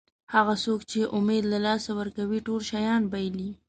هغه څوک چې امید له لاسه ورکوي ټول شیان بایلي.